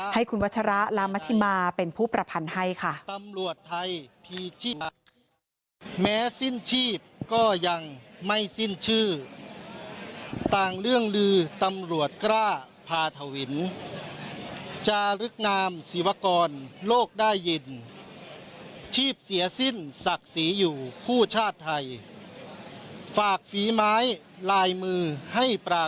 ให้คุณวัชระลามชิมาเป็นผู้ประพันธ์ให้ค่ะ